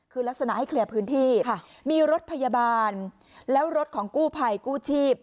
คือลักษณะให้เคลียร์พื้นที่มีรถพยาบาลแล้วรถของกู้ภัยกู้ชีพ